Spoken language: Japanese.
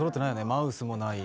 マウスもない。